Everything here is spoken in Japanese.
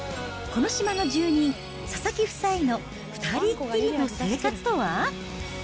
この島の住人、佐々木夫妻の２人っきりの生活とは。